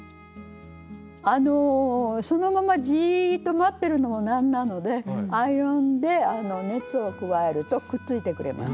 そのままじっと待ってるのも何なのでアイロンで熱を加えるとくっついてくれます。